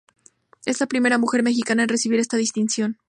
Es la primera mujer mexicana en recibir esta distinción.